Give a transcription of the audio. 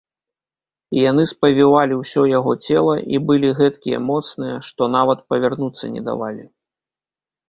Яны спавівалі ўсё яго цела і былі гэткія моцныя, што нават павярнуцца не давалі.